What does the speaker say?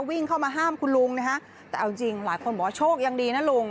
วิ่งเข้ามาห้ามคุณลุงนะฮะแต่เอาจริงหลายคนบอกว่าโชคยังดีนะลุง